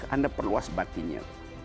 anda perlu wasbatinya